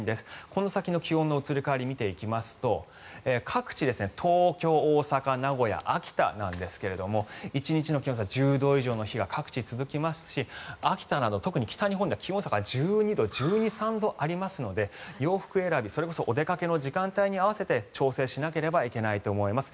この先の気温の移り変わりを見ていきますと各地、東京、大阪名古屋、秋田なんですが１日の気温差１０度以上の日が各地で続きますし秋田など特に北日本では気温差が１２度、１３度ありますので洋服選び、それこそお出かけの時間帯に合わせて調整しなければいけないと思います。